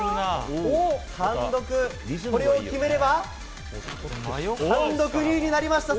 単独、これを決めれば、単独２位になりました。